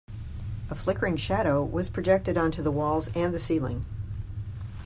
A flickering shadow was projected onto the walls and the ceiling.